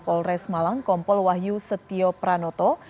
polres malang kompol wahyu setio pranoto